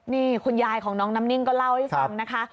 นี่คุณยายของน้องน้ำนิ่งก็เล่าให้ฟังนะคะ